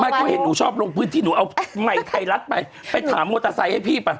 มาก็เห็นหนูชอบลงพื้นที่หนูเอาไหมไทยลักษณ์ไปไปถามโมตอไซส์ให้พี่ป่ะ